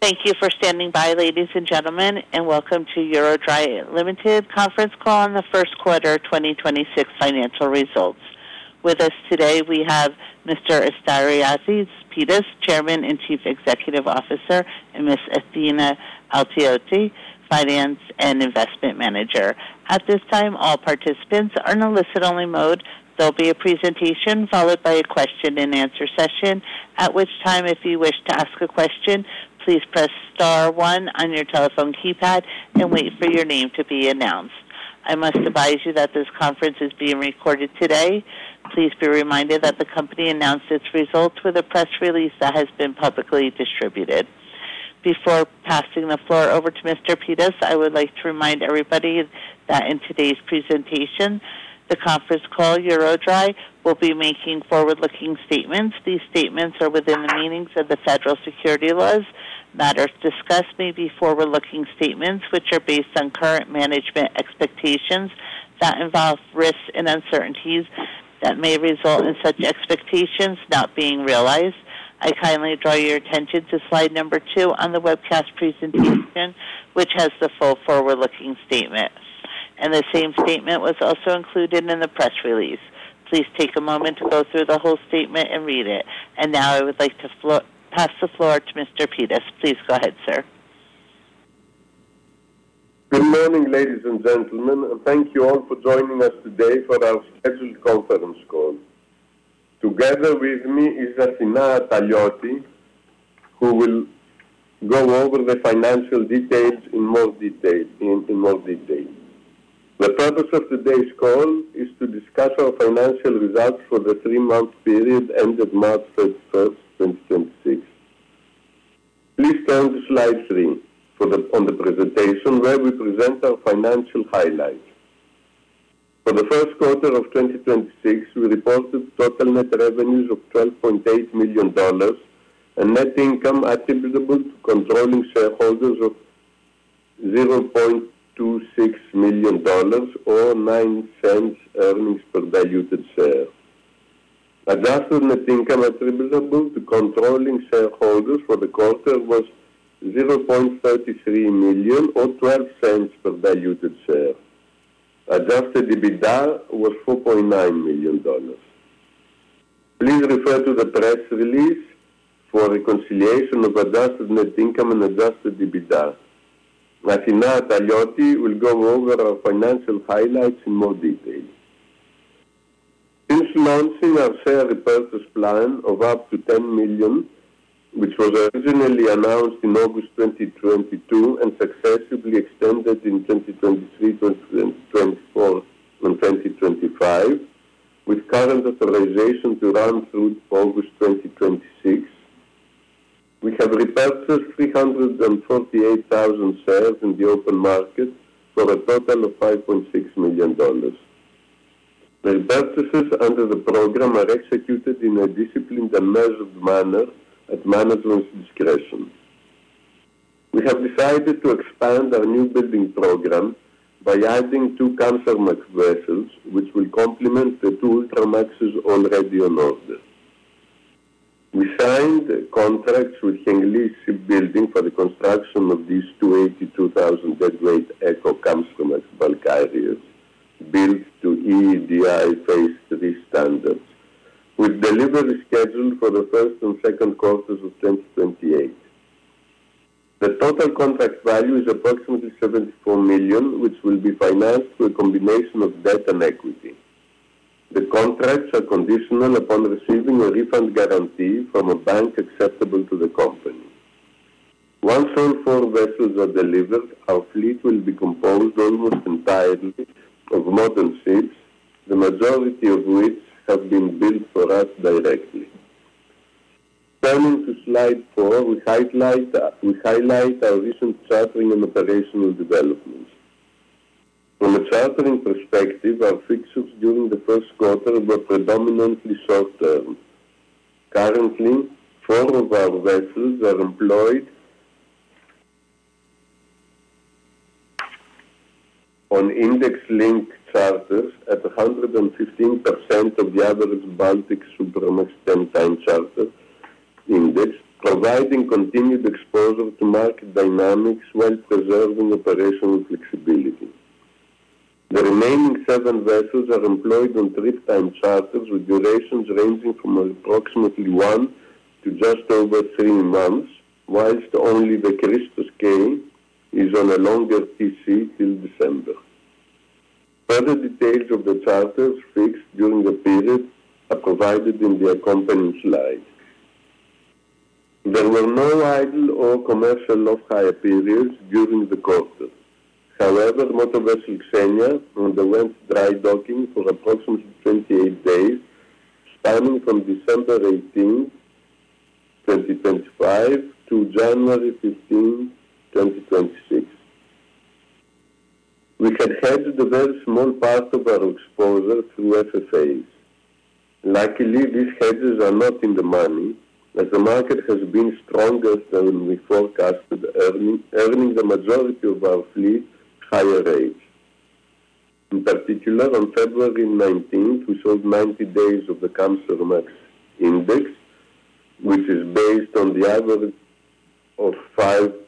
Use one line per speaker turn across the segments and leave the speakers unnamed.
Thank you for standing by, ladies and gentlemen, and welcome to EuroDry Limited Conference Call on the first quarter 2026 financial results. With us today, we have Mr. Aristides Pittas, Chairman and Chief Executive Officer, and Ms. Athina Atalioti, Finance and Investment Manager. At this time, all participants are in a listen-only mode. There'll be a presentation followed by a question and answer session. At which time, if you wish to ask a question, please press star one on your telephone keypad and wait for your name to be announced. I must advise you that this conference is being recorded today. Please be reminded that the company announced its results with a press release that has been publicly distributed. Before passing the floor over to Mr. Pittas, I would like to remind everybody that in today's presentation, the conference call, EuroDry, will be making forward-looking statements. These statements are within the meanings of the federal security laws. Matters discussed may be forward-looking statements, which are based on current management expectations that involve risks and uncertainties that may result in such expectations not being realized. I kindly draw your attention to slide number two on the webcast presentation, which has the full forward-looking statement. The same statement was also included in the press release. Please take a moment to go through the whole statement and read it. Now I would like to pass the floor to Mr. Pittas. Please go ahead, sir.
Good morning, ladies and gentlemen. Thank you all for joining us today for our scheduled conference call. Together with me is Athina Atalioti, who will go over the financial details in more detail. The purpose of today's call is to discuss our financial results for the three-month period ended March 31st, 2026. Please turn to slide three on the presentation where we present our financial highlights. For the first quarter of 2026, we reported total net revenues of $12.8 million and net income attributable to controlling shareholders of $0.26 million or $0.09 earnings per diluted share. Adjusted net income attributable to controlling shareholders for the quarter was $0.33 million or $0.12 per diluted share. Adjusted EBITDA was $4.9 million. Please refer to the press release for reconciliation of adjusted net income and adjusted EBITDA. Athina Atalioti will go over our financial highlights in more detail. Since launching our share repurchase plan of up to $10 million, which was originally announced in August 2022 and successfully extended in 2023, 2024, and 2025, with current authorization to run through to August 2026. We have repurchased 348,000 shares in the open market for a total of $5.6 million. The repurchases under the program are executed in a disciplined and measured manner at management's discretion. We have decided to expand our new building program by adding two Kamsarmax vessels, which will complement the two Ultramaxes already on order. We signed contracts with Hengli Shipbuilding for the construction of these two 82,000 deadweight eco Kamsarmax bulk carriers built to EEDI Phase 3 standards, with delivery scheduled for the first and second quarters of 2028. The total contract value is approximately $74 million, which will be financed through a combination of debt and equity. The contracts are conditional upon receiving a refund guarantee from a bank acceptable to the company. Once all four vessels are delivered, our fleet will be composed almost entirely of modern ships, the majority of which have been built for us directly. Turning to slide four, we highlight our recent chartering and operational developments. From a chartering perspective, our fixtures during the first quarter were predominantly short-term. Currently, four of our vessels are employed on index-linked charters at 115% of the average Baltic Supramax time charter index, providing continued exposure to market dynamics while preserving operational flexibility. The remaining seven vessels are employed on trip-time charters with durations ranging from approximately one to just over three months, whilst only the Christos K is on a longer TC till December. Further details of the charters fixed during the period are provided in the accompanying slide. There were no idle or commercial off-hire periods during the quarter. However, the motor vessel Xenia underwent dry docking for approximately 28 days, spanning from December 18, 2025 to January 15, 2026. We had hedged a very small part of our exposure through FFAs. Luckily, these hedges are not in the money, as the market has been stronger than we forecasted, earning the majority of our fleet higher rates. In particular, on February 19th, we sold 90 days of the Kamsarmax index, which is based on the average of five time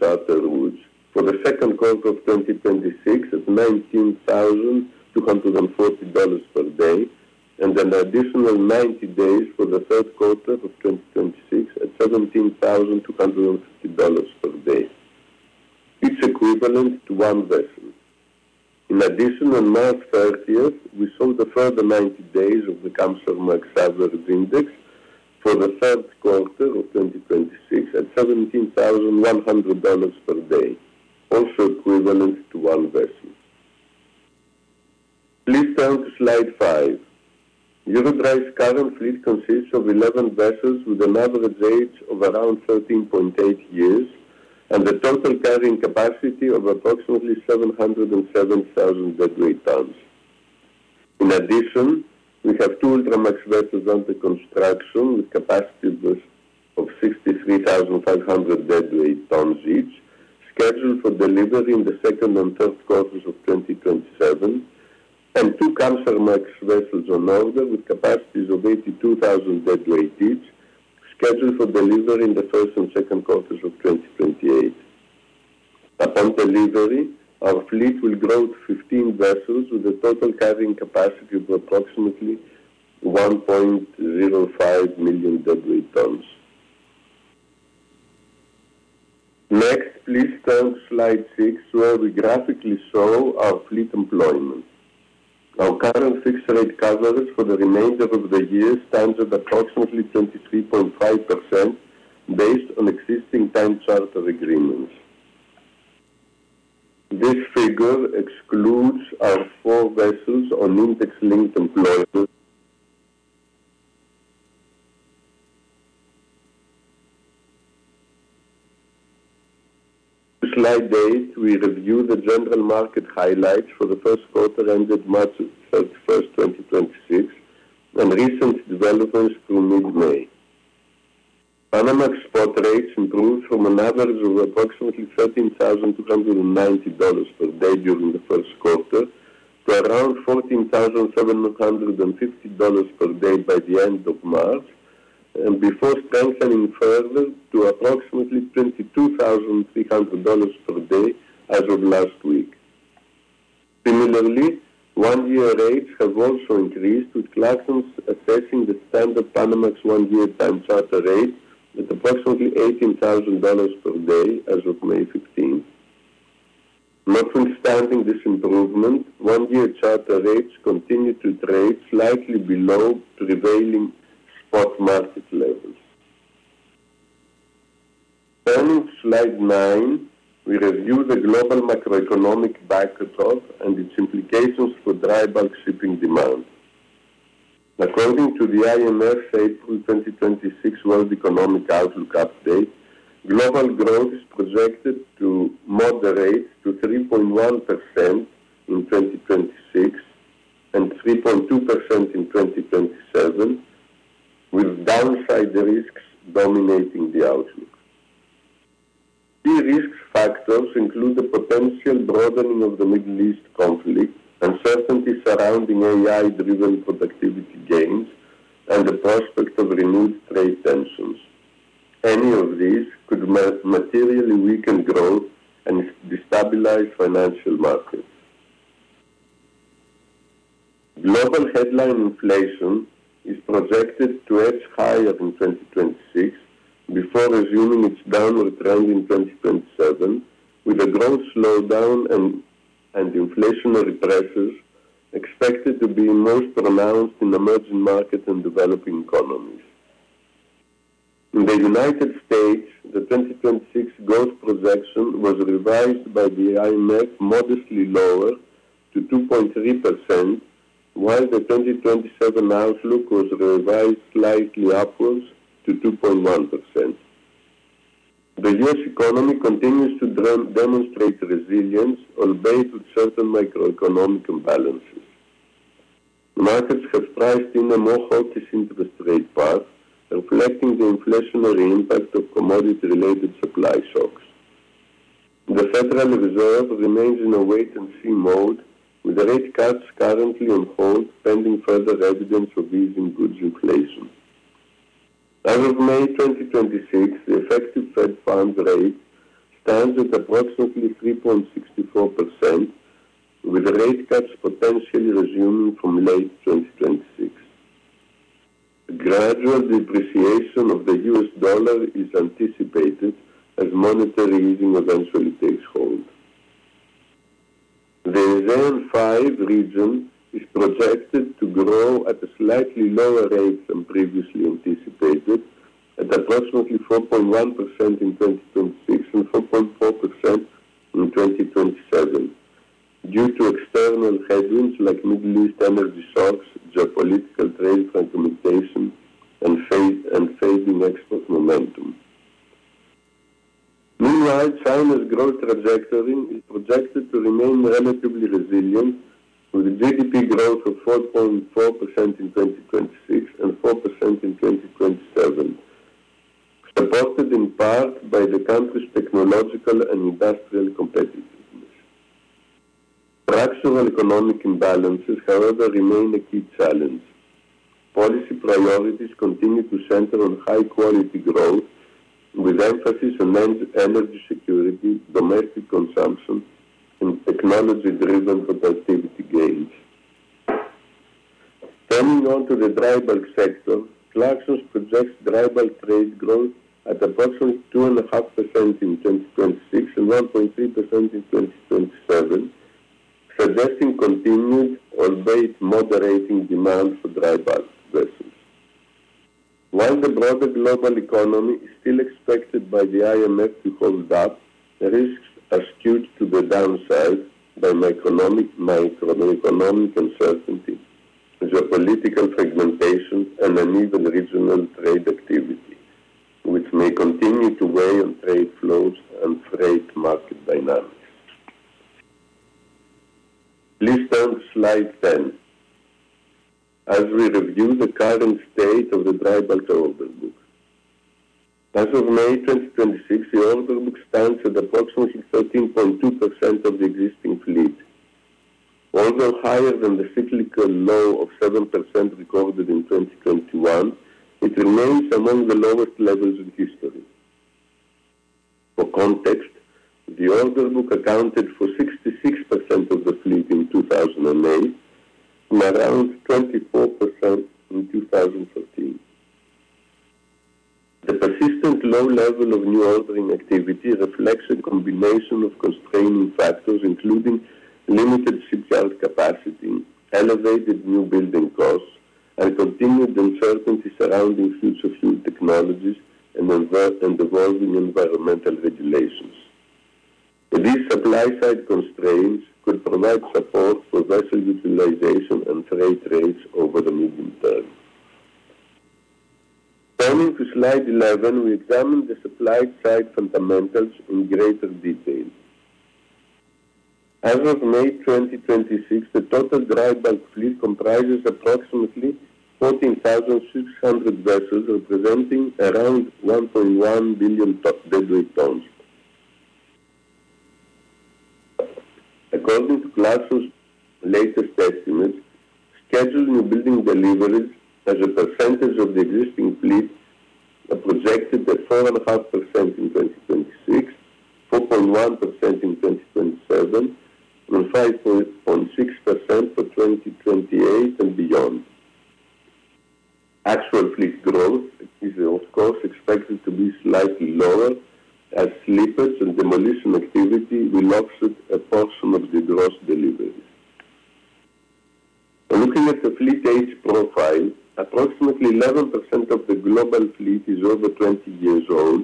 charter routes for the second quarter of 2026 at $19,240 per day, and an additional 90 days for the third quarter of 2026 at $17,250 per day. Each equivalent to one vessel. On March 30th, we sold a further 90 days of the Kamsarmax average index for the third quarter of 2026 at $17,100 per day, also equivalent to one vessel. Please turn to slide five. EuroDry's current fleet consists of 11 vessels with an average age of around 13.8 years and a total carrying capacity of approximately 707,000 deadweight tons. In addition, we have two Ultramax vessels under construction with capacities of 63,500 deadweight tons each, scheduled for delivery in the second and third quarters of 2027, and two Kamsarmax vessels on order with capacities of 82,000 deadweight each, scheduled for delivery in the first and second quarters of 2028. Upon delivery, our fleet will grow to 15 vessels with a total carrying capacity of approximately 1.05 million deadweight tons. Please turn to slide six where we graphically show our fleet employment. Our current fixed rate coverage for the remainder of the year stands at approximately 23.5% based on existing time charter agreements. This figure excludes our four vessels on index-linked employment. Slide eight, we review the general market highlights for the first quarter ended March 31st, 2026, and recent developments through mid-May. Panamax spot rates improved from an average of approximately $13,290 per day during the first quarter to around $14,750 per day by the end of March, and before strengthening further to approximately $22,300 per day as of last week. Similarly, one-year rates have also increased, with Clarksons assessing the standard Panamax one-year time charter rate at approximately $18,000 per day as of May 15th. Notwithstanding this improvement, one-year charter rates continue to trade slightly below prevailing spot market levels. Turning to slide nine, we review the global macroeconomic backdrop and its implications for dry bulk shipping demand. According to the IMF April 2026 World Economic Outlook update, global growth is projected to moderate to 3.1% in 2026 and 3.2% in 2027, with downside risks dominating the outlook. Key risk factors include the potential broadening of the Middle East conflict, uncertainty surrounding AI-driven productivity gains, and the prospect of renewed trade tensions. Any of these could materially weaken growth and destabilize financial markets. Global headline inflation is projected to edge higher in 2026 before resuming its downward trend in 2027, with a growth slowdown and inflationary pressures expected to be most pronounced in emerging markets and developing economies. In the United States, the 2026 growth projection was revised by the IMF modestly lower to 2.3%, while the 2027 outlook was revised slightly upwards to 2.1%. The U.S. economy continues to demonstrate resilience albeit with certain macroeconomic imbalances. Markets have priced in a more hawkish interest rate path, reflecting the inflationary impact of commodity-related supply shocks. The Federal Reserve remains in a wait-and-see mode, with rate cuts currently on hold pending further evidence of easing goods inflation. As of May 2026, the effective federal funds rate stands at approximately 3.64%, with rate cuts potentially resuming from late 2026. A gradual depreciation of the U.S. dollar is anticipated as monetary easing eventually takes hold. The ASEAN-5 region is projected to grow at a slightly lower rate than previously anticipated, at approximately 4.1% in 2026 and 4.4% in 2027 due to external headwinds like Middle East energy shocks, geopolitical trade fragmentation, and fading export momentum. Meanwhile, China's growth trajectory is projected to remain relatively resilient, with a GDP growth of 4.4% in 2026 and 4% in 2027 Supported in part by the country's technological and industrial competitiveness. Structural economic imbalances, however, remain a key challenge. Policy priorities continue to center on high-quality growth with emphasis on energy security, domestic consumption, and technology-driven productivity gains. Turning on to the dry bulk sector, Clarksons projects dry bulk trade growth at approximately 2.5% in 2026 and 1.3% in 2027, suggesting continued albeit moderating demand for dry bulk vessels. While the broader global economy is still expected by the IMF to hold up, risks are skewed to the downside by macroeconomic uncertainty, geopolitical fragmentation, and uneven regional trade activity, which may continue to weigh on trade flows and freight market dynamics. Please turn to slide 10 as we review the current state of the dry bulk order book. As of May 2026, the order book stands at approximately 13.2% of the existing fleet. Although higher than the cyclical low of 7% recorded in 2021, it remains among the lowest levels in history. For context, the order book accounted for 66% of the fleet in 2009 and around 24% in 2014. The persistent low level of new ordering activity reflects a combination of constraining factors, including limited shipyard capacity, elevated new building costs, and continued uncertainty surrounding future fuel technologies and evolving environmental regulations. These supply-side constraints could provide support for vessel utilization and freight rates over the medium term. Turning to slide 11, we examine the supply-side fundamentals in greater detail. As of May 2026, the total dry bulk fleet comprises approximately 14,600 vessels, representing around 1.1 billion deadweight tons. According to Clarksons' latest estimates, scheduled new building deliveries as a percentage of the existing fleet are projected at 4.5% in 2026, 4.1% in 2027, and 5.6% for 2028 and beyond. Actual fleet growth is, of course, expected to be slightly lower as slippage and demolition activity will offset a portion of the gross deliveries. Looking at the fleet age profile, approximately 11% of the global fleet is over 20 years old,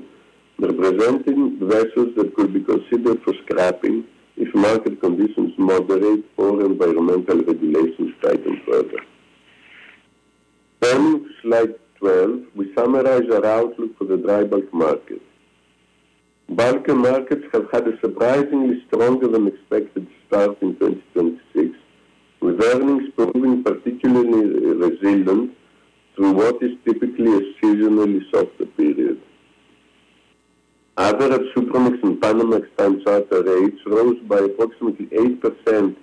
representing vessels that could be considered for scrapping if market conditions moderate or environmental regulations tighten further. Turning to slide 12, we summarize our outlook for the dry bulk market. Bulker markets have had a surprisingly stronger than expected start in 2026, with earnings proving particularly resilient through what is typically a seasonally softer period. Average Supramax and Panamax time charter rates rose by approximately 8%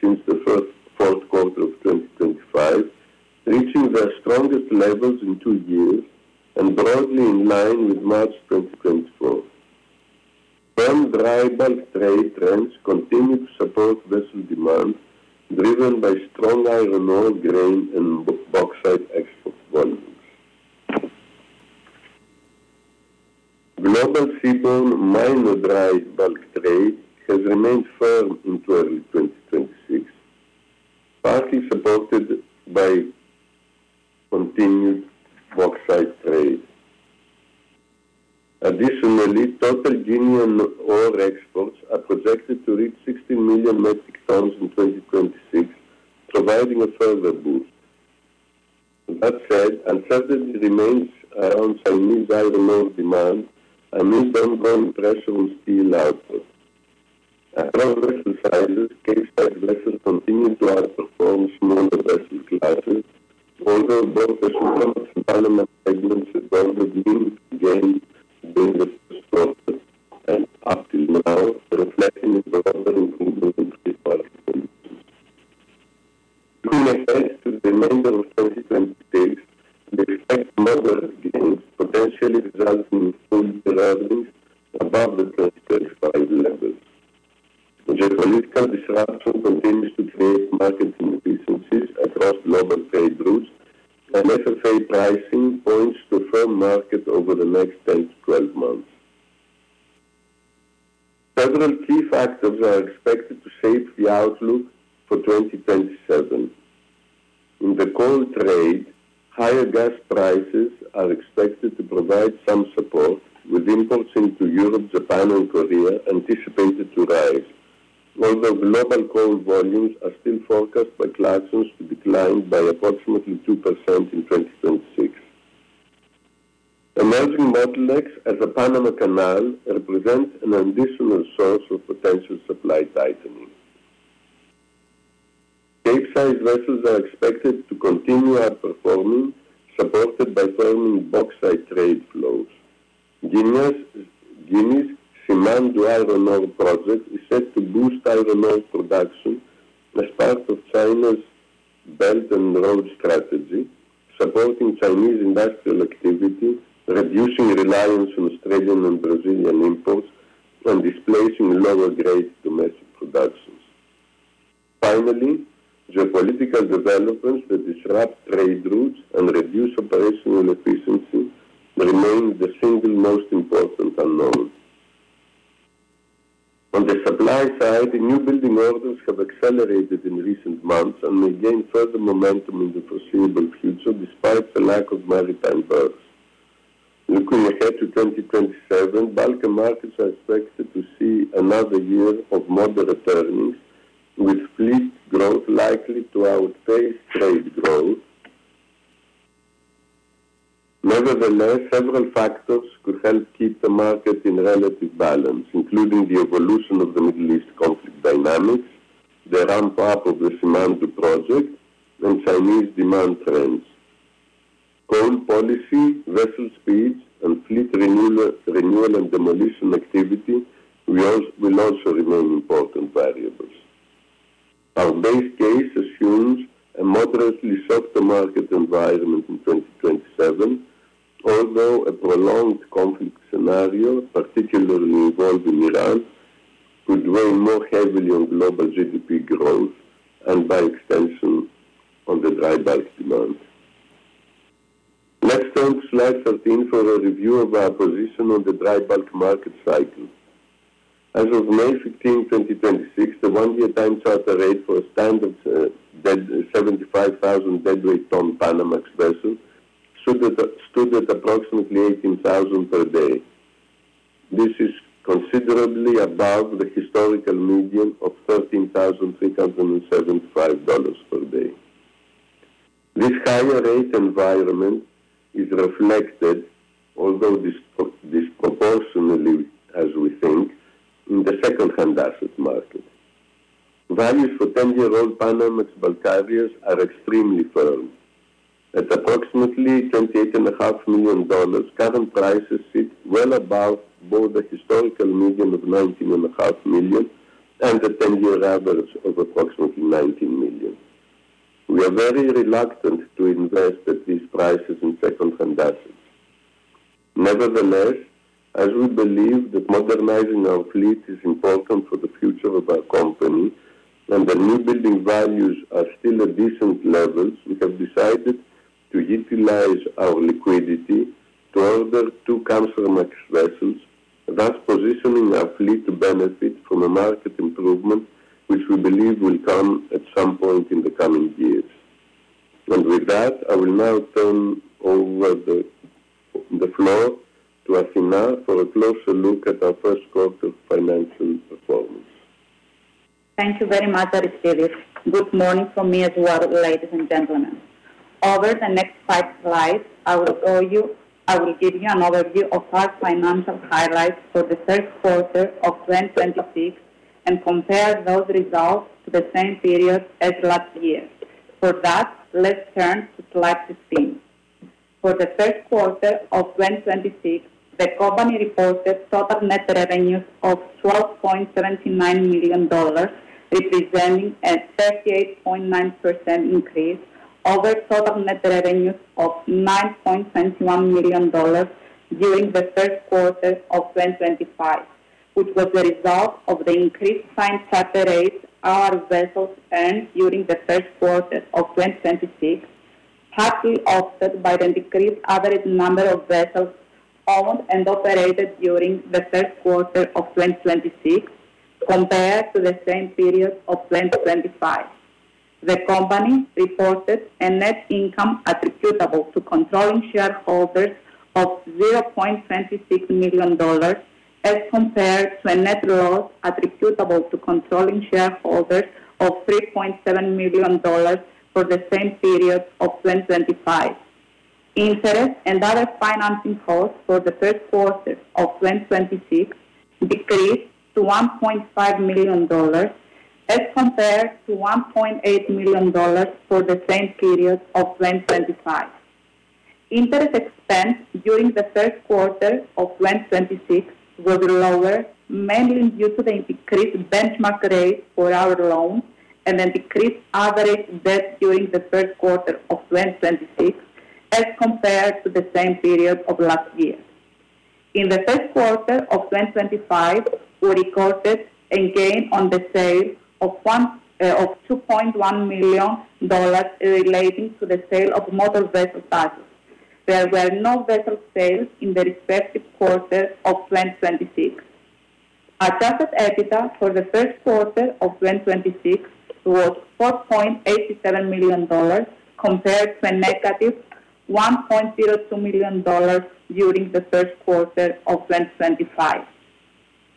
since the first fourth quarter of 2025, reaching their strongest levels in two years and broadly in line with March 2024. Firm dry bulk trade trends continue to support vessel demand, driven by stronger iron ore, grain, and bauxite export volumes. Global seaborne minor dry bulk trade has remained firm into early 2026, partly supported by continued bauxite trade. Additionally, total Indian ore exports are projected to reach 60 million metric tons in 2026, providing a further boost. On the supply side, the new building orders have accelerated in recent months and may gain further momentum in the foreseeable future despite the lack of maritime buzz. Looking ahead to 2027, bulker markets are expected to see another year of moderate earnings, with fleet growth likely to outpace trade growth. Nevertheless, several factors could help keep the market in relative balance, including the evolution of the Middle East conflict dynamics, the ramp-up of the Simandou Project, and Chinese demand trends. Coal policy, vessel speeds, and fleet renewal and demolition activity will also remain important variables. Our base case assumes a moderately softer market environment in 2027, although a prolonged conflict scenario, particularly involving Iran, could weigh more heavily on global GDP growth and by extension, on the dry bulk demand. Turn to slide 13 for a review of our position on the dry bulk market cycle. As of May 15, 2026, the one-year time charter rate for a standard 75,000 deadweight ton Panamax vessel stood at approximately $18,000 per day. This is considerably above the historical median of $13,375 per day. This higher rate environment is reflected, although disproportionately, as we think, in the secondhand asset market. Values for 10-year-old Panamax bulk carriers are extremely firm. At approximately $28.5 million, current prices sit well above both the historical median of $19.5 million and the 10-year average of approximately $19 million. We are very reluctant to invest at these prices in secondhand assets. Nevertheless, as we believe that modernizing our fleet is important for the future of our company, and the new building values are still at decent levels, we have decided to utilize our liquidity to order two Kamsarmax vessels, thus positioning our fleet to benefit from a market improvement, which we believe will come at some point in the coming years. With that, I will now turn over the floor to Athina for a closer look at our first quarter financial performance.
Thank you very much, Aristides. Good morning from me as well, ladies and gentlemen. Over the next five slides, I will give you an overview of our financial highlights for the first quarter of 2026 and compare those results to the same period as last year. For that, let's turn to slide 15. For the first quarter of 2026, the company reported total net revenues of $12.79 million, representing a 38.9% increase over total net revenues of $9.71 million during the first quarter of 2025, which was a result of the increased time charter rates our vessels earned during the first quarter of 2026, partly offset by the decreased average number of vessels owned and operated during the first quarter of 2026 compared to the same period of 2025. The company reported a net income attributable to controlling shareholders of $0.26 million as compared to a net loss attributable to controlling shareholders of $3.7 million for the same period of 2025. Interest and other financing costs for the first quarter of 2026 decreased to $1.5 million as compared to $1.8 million for the same period of 2025. Interest expense during the first quarter of 2026 was lower, mainly due to the decreased benchmark rate for our loans and a decreased average debt during the first quarter of 2026 as compared to the same period of last year. In the first quarter of 2025, we recorded a gain on the sale of $2.1 million relating to the sale of motor vessel Tasos. There were no vessel sales in the respective quarter of 2026. Our adjusted EBITDA for the first quarter of 2026 was $4.87 million, compared to a $ -1.02 million during the first quarter of 2025.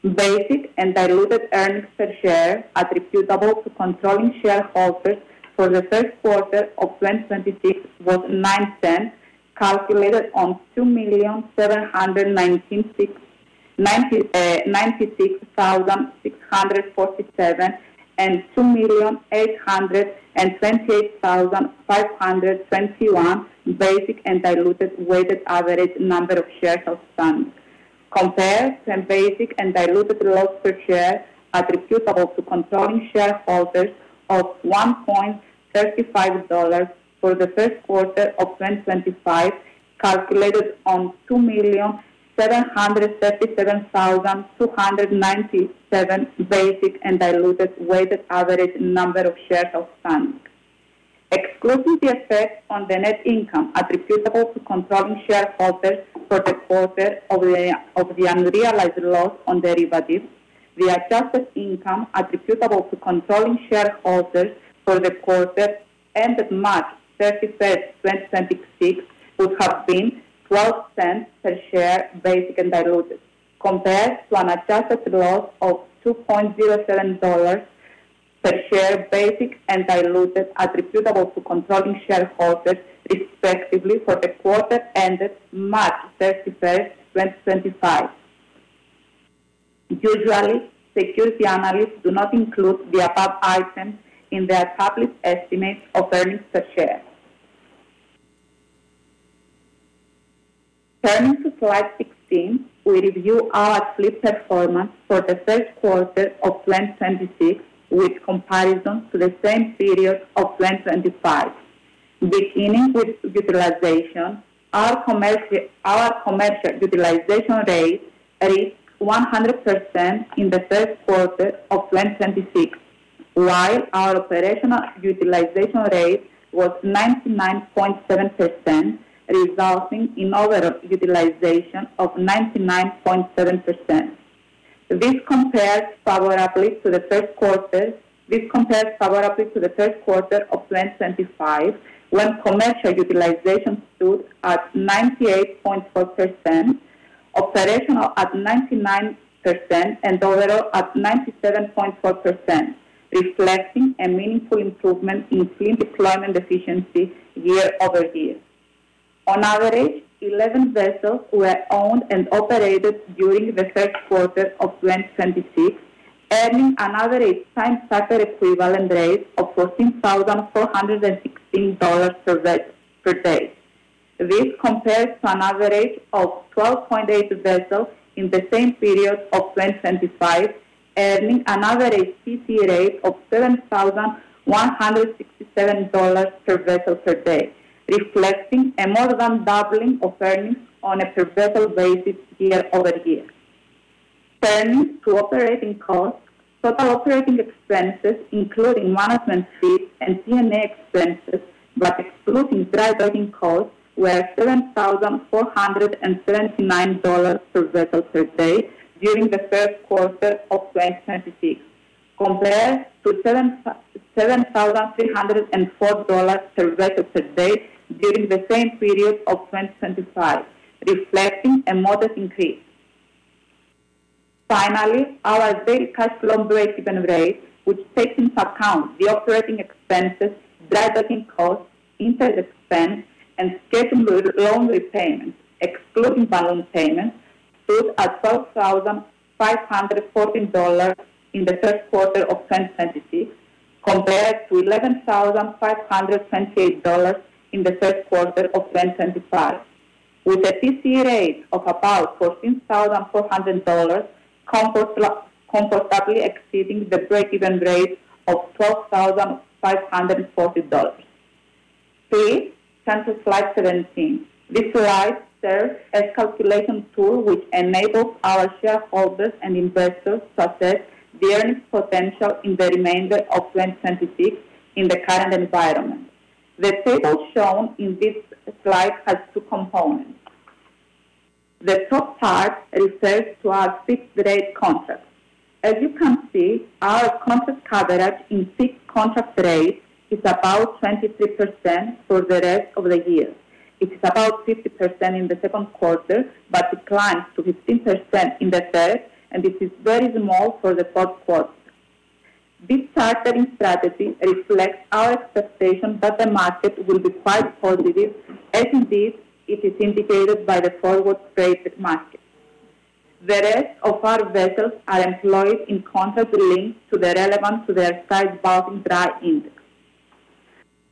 Basic and diluted earnings per share attributable to controlling shareholders for the first quarter of 2026 was $0.09, calculated on 2,796,647 and 2,828,521 basic and diluted weighted average number of shares outstanding. Compared to basic and diluted loss per share attributable to controlling shareholders of $1.35 for the first quarter of 2025, calculated on 2,737,297 basic and diluted weighted average number of shares outstanding. Excluding the effect on the net income attributable to controlling shareholders for the quarter of the unrealized loss on derivatives, the adjusted income attributable to controlling shareholders for the quarter ended March 31st, 2026, would have been $0.12 per share basic and diluted, compared to an adjusted loss of $2.07 per share basic and diluted attributable to controlling shareholders, respectively, for the quarter ended March 31st, 2025. Usually, security analysts do not include the above items in their published estimates of earnings per share. Turning to slide 16, we review our fleet performance for the first quarter of 2026 with comparison to the same period of 2025. Beginning with utilization, our commercial utilization rate reached 100% in the first quarter of 2026, while our operational utilization rate was 99.7%, resulting in overall utilization of 99.7%. This compares favorably to the first quarter of 2025, when commercial utilization stood at 98.4%, operational at 99%, and overall at 97.4%, reflecting a meaningful improvement in fleet deployment efficiency year-over-year. On average, 11 vessels were owned and operated during the first quarter of 2026, earning an average time charter equivalent rate of $14,416 per day. This compares to an average of 12.8 vessels in the same period of 2025, earning an average TCE rate of $7,167 per vessel per day, reflecting a more than doubling of earnings on a per-vessel basis year-over-year. Turning to operating costs, total operating expenses, including management fees and G&A expenses, but excluding dry docking costs, were $7,479 per vessel per day during the first quarter of 2026, compared to $7,304 per vessel per day during the same period of 2025, reflecting a modest increase. Finally, our daily cash flow breakeven rate, which takes into account the operating expenses, dry docking costs, interest expense, and scheduled loan repayments, excluding balloon payments, stood at $12,514 in the first quarter of 2026, compared to $11,528 in the first quarter of 2025, with a TCE rate of about $14,400 comfortably exceeding the breakeven rate of $12,540. Three, turn to slide 17. This slide serves as calculation tool which enables our shareholders and investors to assess the earnings potential in the remainder of 2026 in the current environment. The table shown in this slide has two components. The top part refers to our fixed rate contracts. As you can see, our contract coverage in fixed contract rates is about 23% for the rest of the year. It is about 50% in the second quarter, but declines to 15% in the third, and it is very small for the fourth quarter. This chartering strategy reflects our expectation that the market will be quite positive, as indeed it is indicated by the forward traded market. The rest of our vessels are employed in contracts linked to the relevant to their size Baltic Dry Index.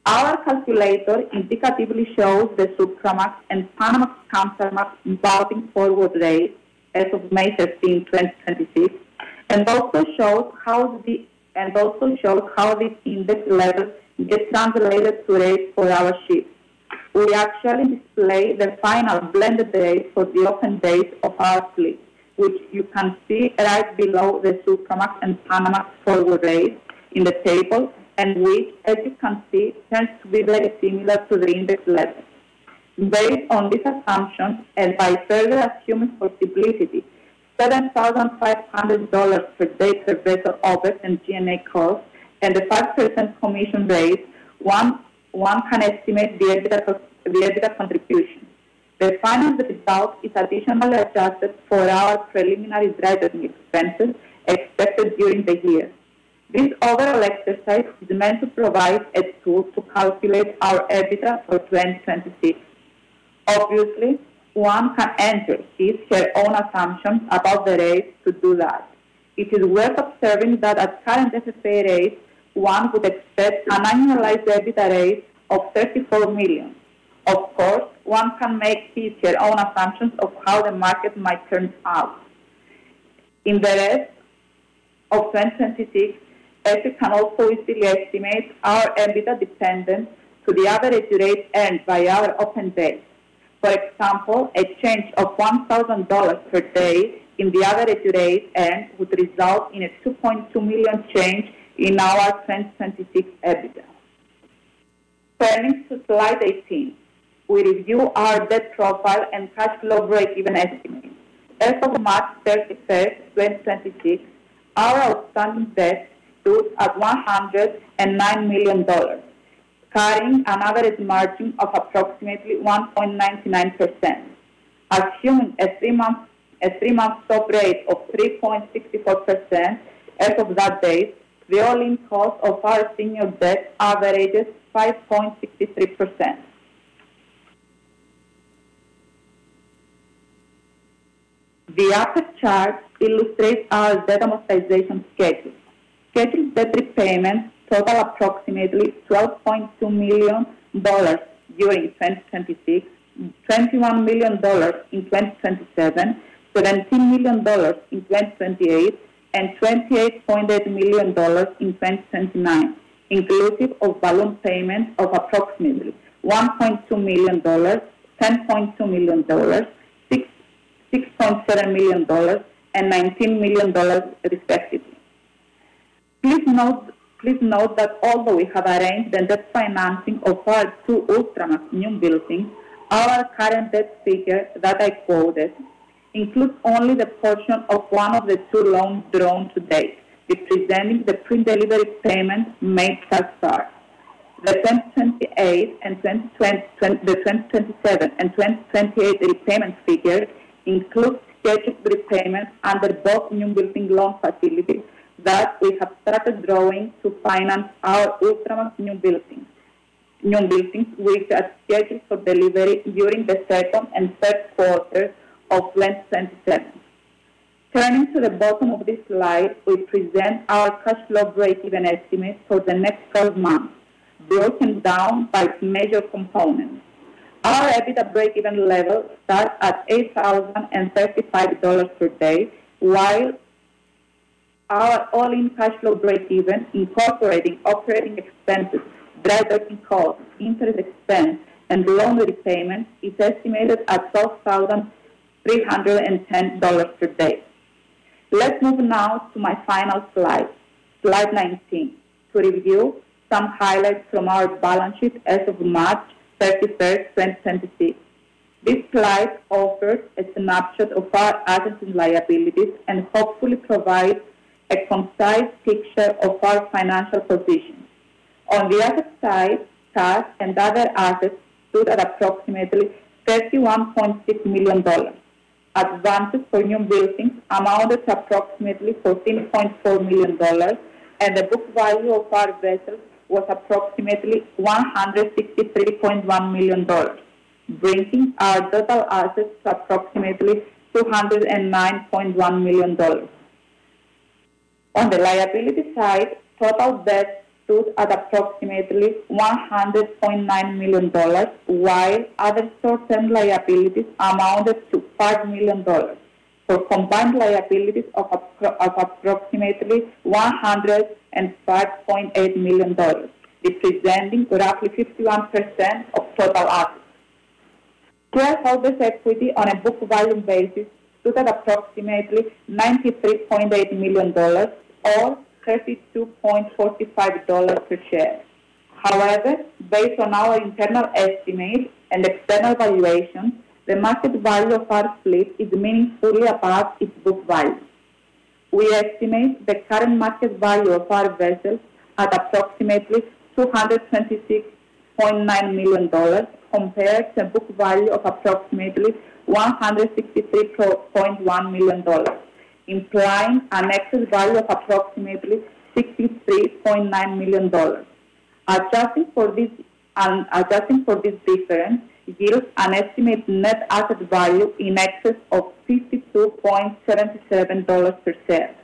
Our calculator indicatively shows the Supramax and Panamax/Kamsarmax Baltic forward rates as of May 15, 2026, and also shows how these index levels get translated to rates for our ships. We actually display the final blended rate for the open days of our fleet, which you can see right below the Supramax and Panamax forward rates in the table, and which, as you can see, tends to be very similar to the index levels. Based on this assumption, and by further assuming, for simplicity, $7,500 per day per vessel operating G&A costs and a 5% commission rate, one can estimate the EBITDA contribution. The final result is additionally adjusted for our preliminary dry docking expenses expected during the year. This overall exercise is meant to provide a tool to calculate our EBITDA for 2026. Obviously, one can enter his/her own assumptions about the rates to do that. It is worth observing that at current FFA rates, one would expect an annualized EBITDA rate of $34 million. Of course, one can make his/her own assumptions of how the market might turn out. In the rest of 2026, as you can also easily estimate our EBITDA dependent to the average rate earned by our open days. For example, a change of $1,000 per day in the average rate earned would result in a $2.2 million change in our 2026 EBITDA. Turning to slide 18, we review our debt profile and cash flow breakeven estimates. As of March 31st, 2026, our outstanding debt stood at $109 million, carrying an average margin of approximately 1.99%. Assuming a three-month SOFR rate of 3.64% as of that date, the all-in cost of our senior debt averages 5.63%. The upper chart illustrates our debt amortization schedule. Scheduled debt repayments total approximately $12.2 million during 2026, $21 million in 2027, $17 million in 2028, and $28.8 million in 2029, inclusive of balloon payments of approximately $1.2 million, $10.2 million, $6.7 million, and $19 million, respectively. Please note that although we have arranged the debt financing of our two Ultramax newbuildings, our current debt figure that I quoted includes only the portion of one of the two loans drawn to date, representing the pre-delivery payment made thus far. The 2027 and 2028 repayment figures include scheduled repayments under both newbuilding loan facilities that we have started drawing to finance our Ultramax newbuildings, which are scheduled for delivery during the second and third quarters of 2027. Turning to the bottom of this slide, we present our cash flow breakeven estimates for the next 12 months, broken down by major components. Our EBITDA breakeven level starts at $8,035 per day, while our all-in cash flow breakeven, incorporating operating expenses, dry docking costs, interest expense, and loan repayments, is estimated at $12,310 per day. Let's move now to my final slide 19, to review some highlights from our balance sheet as of March 31st, 2026. This slide offers a snapshot of our assets and liabilities and hopefully provides a concise picture of our financial position. On the asset side, cash and other assets stood at approximately $31.6 million. Advances for newbuildings amounted to approximately $14.4 million, and the book value of our vessels was approximately $163.1 million, bringing our total assets to approximately $209.1 million. On the liability side, total debt stood at approximately $100.9 million, while other short-term liabilities amounted to $5 million, for combined liabilities of approximately $105.8 million, representing roughly 51% of total assets. Shareholder equity on a book value basis stood at approximately $93.8 million, or $32.45 per share. Based on our internal estimates and external valuations, the market value of our fleet is meaningfully above its book value. We estimate the current market value of our vessels at approximately $226.9 million, compared to a book value of approximately $163.1 million, implying an excess value of approximately $63.9 million. Adjusting for this difference yields an estimated net asset value in excess of $52.77 per share.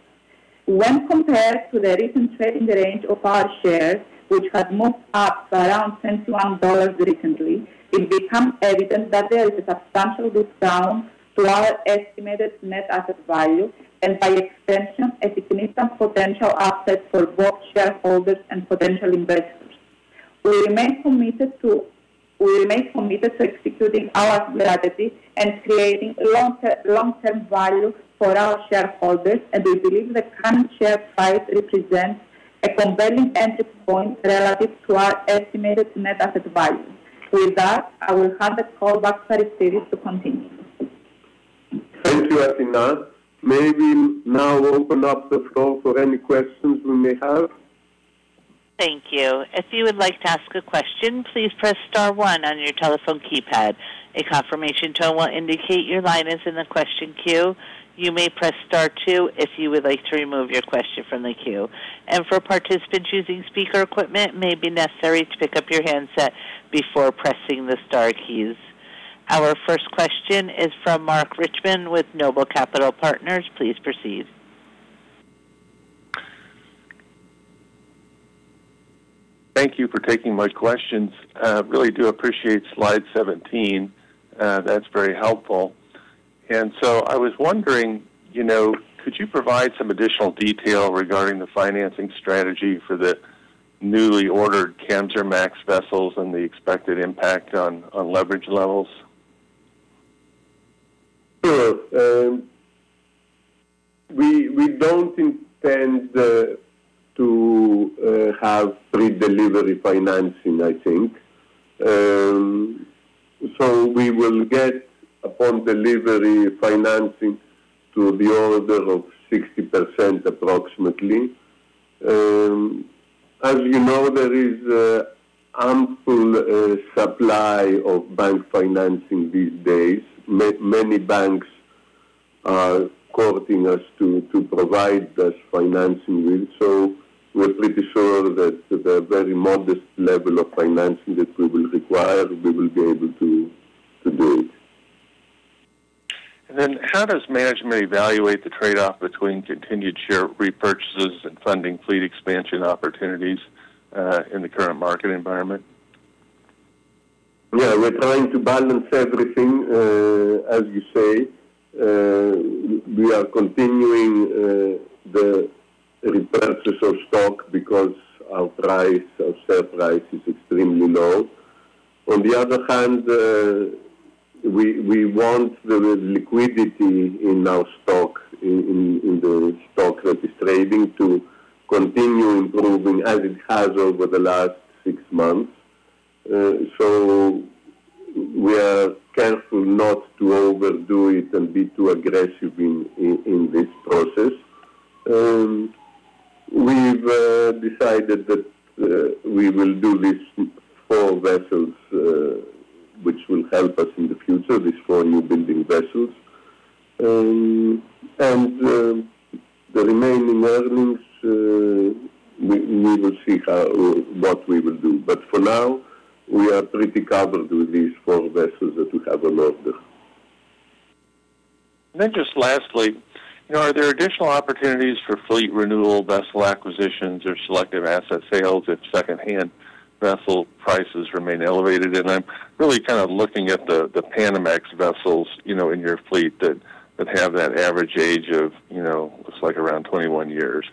When compared to the recent trading range of our shares, which had moved up to around $21 recently, it becomes evident that there is a substantial discount to our estimated net asset value, and by extension, a significant potential upside for both shareholders and potential investors. We remain committed to executing our strategy and creating long-term value for our shareholders, and we believe the current share price represents a compelling entry point relative to our estimated net asset value. With that, I will hand the call back to Aristides Pittas to continue.
Thank you, Athina. May we now open up the floor for any questions we may have?
Thank you. If you would like to ask a question, please press star one on your telephone keypad. A confirmation tone will indicate your line is in the question queue. You may press star two if you would like to remove your question from the queue. For participants using speaker equipment, it may be necessary to pick up your handset before pressing the star keys. Our first question is from Mark Reichman with Noble Capital Partners. Please proceed.
Thank you for taking my questions. I really do appreciate slide 17. That's very helpful. I was wondering, could you provide some additional detail regarding the financing strategy for the newly ordered Kamsarmax vessels and the expected impact on leverage levels?
Sure. We don't intend to have pre-delivery financing, I think. We will get upon delivery financing to the order of 60% approximately. As you know, there is ample supply of bank financing these days. Many banks are courting us to provide us financing with. We're pretty sure that the very modest level of financing that we will require, we will be able to do it.
How does management evaluate the trade-off between continued share repurchases and funding fleet expansion opportunities, in the current market environment?
Yeah, we're trying to balance everything, as you say. We are continuing the repurchase of stock because our share price is extremely low. On the other hand, we want the liquidity in our stock, in the stock that is trading to continue improving as it has over the last six months. We are careful not to overdo it and be too aggressive in this process. We've decided that we will do these four vessels, which will help us in the future, these four new building vessels. The remaining earnings, we will see what we will do. For now, we are pretty covered with these four vessels that we have on order.
Just lastly, are there additional opportunities for fleet renewal, vessel acquisitions, or selective asset sales if secondhand vessel prices remain elevated? I'm really looking at the Panamax vessels in your fleet that have that average age of, it looks like around 21 years.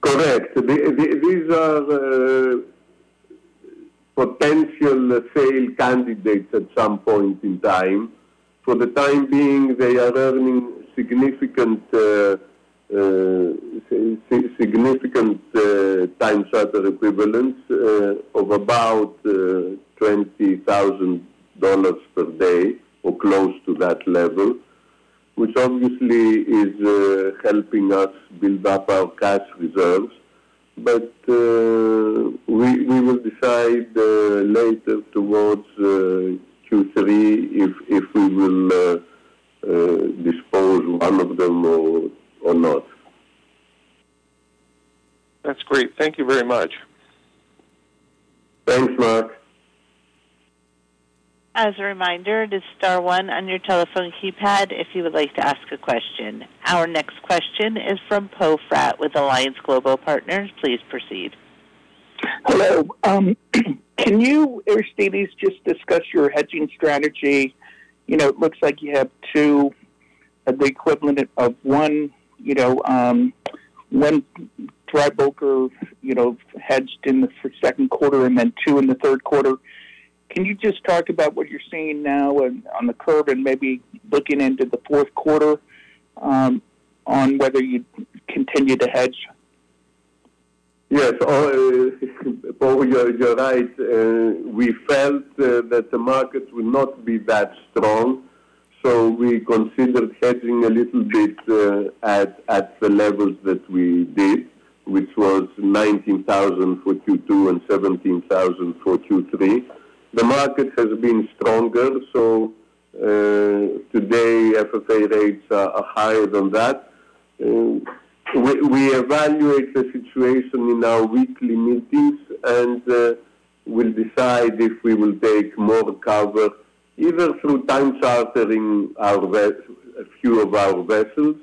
Correct. These are potential sale candidates at some point in time. For the time being, they are earning significant time charter equivalents of about $20,000 per day or close to that level, which obviously is helping us build up our cash reserves. We will decide later towards Q3 if we will dispose one of them or not.
That's great. Thank you very much.
Thanks, Mark.
As a reminder, it is star one on your telephone keypad if you would like to ask a question. Our next question is from Poe Fratt with Alliance Global Partners. Please proceed.
Hello. Can you or just discuss your hedging strategy? It looks like you have two, the equivalent of one dry bulk hedged in the second quarter and then two in the third quarter. Can you just talk about what you're seeing now on the curve and maybe looking into the fourth quarter, on whether you'd continue to hedge?
Yes. Poe, you're right. We felt that the market would not be that strong, so we considered hedging a little bit at the levels that we did, which was $19,000 for Q2 and $17,000 for Q3. The market has been stronger, so today FFA rates are higher than that. We evaluate the situation in our weekly meetings and we'll decide if we will take more cover, either through time chartering a few of our vessels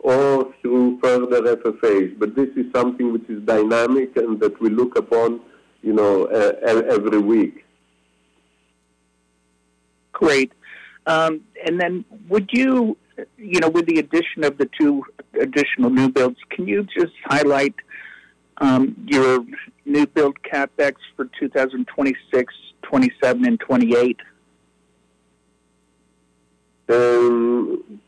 or through further FFAs. This is something which is dynamic and that we look upon every week.
Great. Then with the addition of the two additional new builds, can you just highlight your new build CapEx for 2026, 2027, and 2028?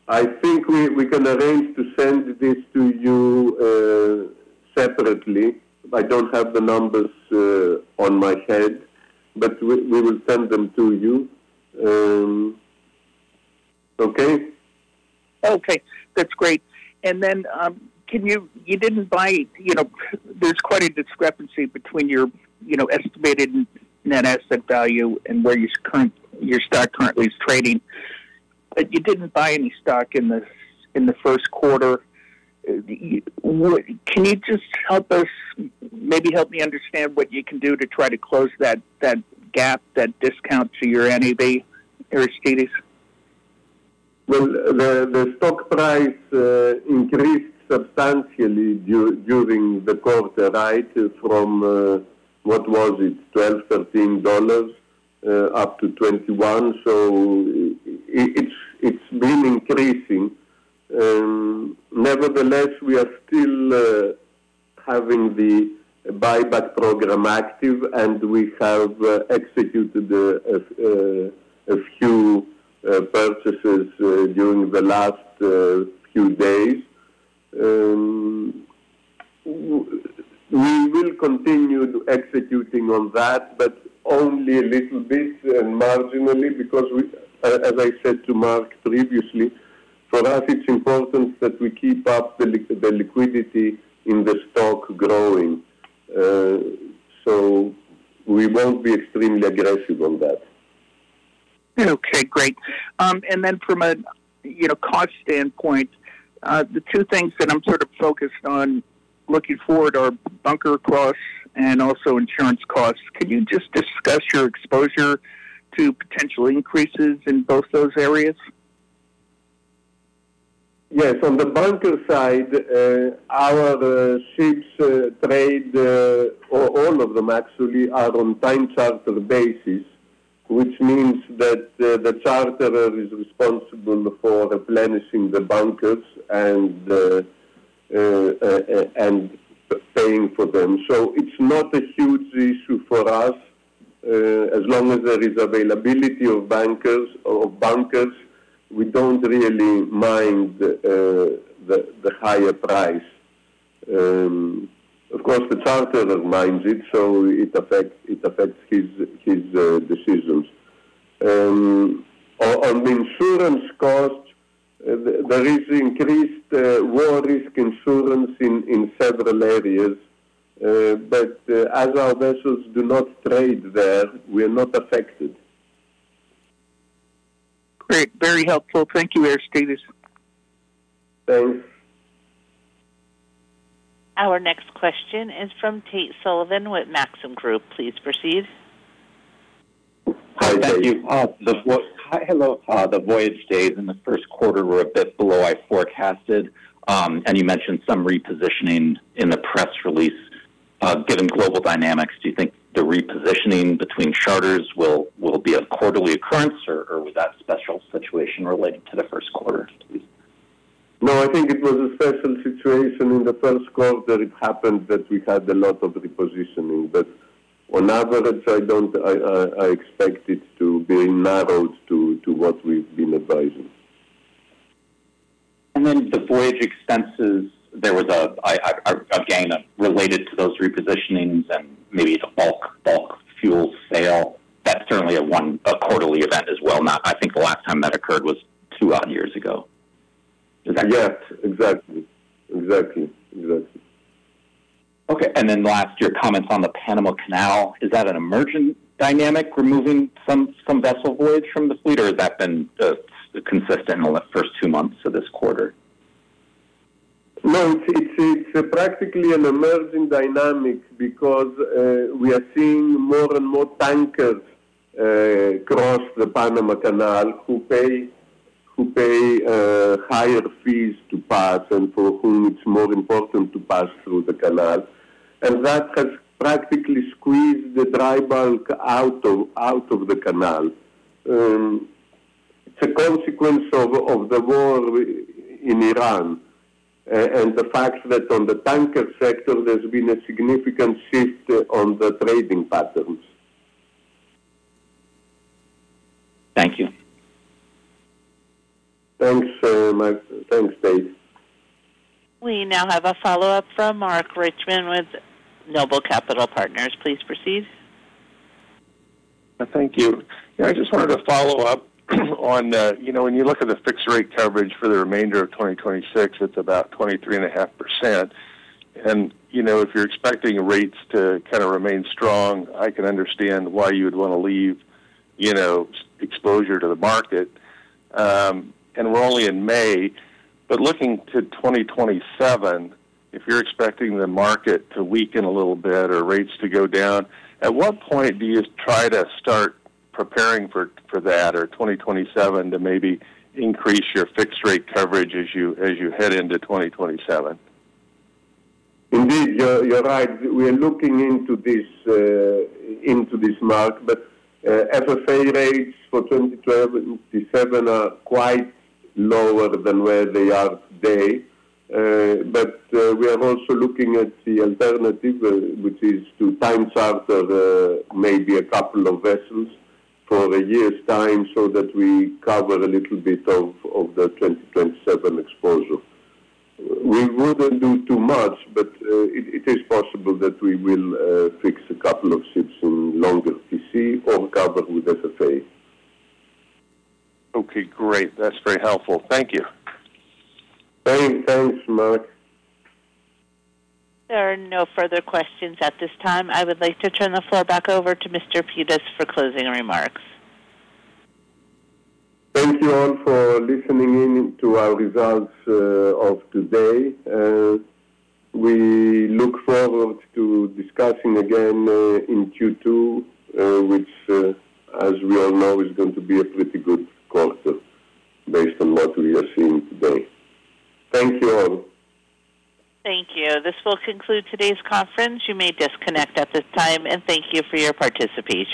I think we can arrange to send this to you separately. I don't have the numbers in my head, we will send them to you. Okay.
Okay, that's great. There's quite a discrepancy between your estimated net asset value and where your stock currently is trading. You didn't buy any stock in the first quarter. Can you just maybe help me understand what you can do to try to close that gap, that discount to your NAV, Aristides?
The stock price increased substantially during the quarter, right? From, what was it? $12, $13 up to $21. It's been increasing. Nevertheless, we are still having the buyback program active, and we have executed a few purchases during the last few days. We will continue to executing on that, but only a little bit and marginally because as I said to Mark previously, for us, it's important that we keep up the liquidity in the stock growing. We won't be extremely aggressive on that.
Okay, great. From a cost standpoint, the two things that I'm sort of focused on looking forward are bunker costs and also insurance costs. Can you just discuss your exposure to potential increases in both those areas?
Yes. On the bunker side, our ships trade, all of them actually, are on time charter basis, which means that the charterer is responsible for replenishing the bunkers and paying for them. It's not a huge issue for us. As long as there is availability of bunkers, we don't really mind the higher price. Of course, the charterer minds it, so it affects his decisions. On the insurance cost, there is increased war risk insurance in several areas. As our vessels do not trade there, we are not affected.
Great. Very helpful. Thank you, Aristides.
Thanks.
Our next question is from Tate Sullivan with Maxim Group. Please proceed.
Hi, Tate.
Hello. The voyage days in the first quarter were a bit below I forecasted. You mentioned some repositioning in the press release. Given global dynamics, do you think the repositioning between charters will be a quarterly occurrence, or was that a special situation related to the first quarter?
I think it was a special situation in the first quarter. It happened that we had a lot of repositioning, but on average, I expect it to be narrowed to what we've been advising.
The voyage expenses, there was, again, related to those repositionings and maybe the bulk fuel sale. That's certainly a quarterly event as well. I think the last time that occurred was two odd years ago. Is that correct?
Yes, exactly.
Okay. Last, your comments on the Panama Canal. Is that an emerging dynamic, removing some vessel voyage from the fleet, or has that been consistent in the first two months of this quarter?
No, it's practically an emerging dynamic because we are seeing more and more tankers cross the Panama Canal who pay higher fees to pass and for whom it's more important to pass through the canal. That has practically squeezed the dry bulk out of the canal. It's a consequence of the war in Iran and the fact that on the tanker sector, there's been a significant shift on the trading patterns.
Thank you.
Thanks so much. Thanks, Tate.
We now have a follow-up from Mark Reichman with Noble Capital Partners. Please proceed.
Thank you. I just wanted to follow up on when you look at the fixed-rate coverage for the remainder of 2026, it's about 23.5%. If you're expecting rates to kind of remain strong, I can understand why you would want to leave exposure to the market. We're only in May, but looking to 2027, if you're expecting the market to weaken a little bit or rates to go down, at what point do you try to start preparing for that or 2027 to maybe increase your fixed-rate coverage as you head into 2027?
Indeed, you're right. We are looking into this, Mark, but FFA rates for 2027 are quite lower than where they are today. We are also looking at the alternative, which is to time charter maybe a couple of vessels for a year's time so that we cover a little bit of the 2027 exposure. We wouldn't do too much, but it is possible that we will fix a couple of ships in longer TC or cover with FFA.
Okay, great. That's very helpful. Thank you.
Thanks, Mark.
There are no further questions at this time. I would like to turn the floor back over to Mr. Pittas for closing remarks.
Thank you all for listening in to our results of today. We look forward to discussing again in Q2, which as we all know, is going to be a pretty good quarter based on what we are seeing today. Thank you all.
Thank you. This will conclude today's conference. You may disconnect at this time, and thank you for your participation.